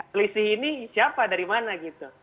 selisih ini siapa dari mana gitu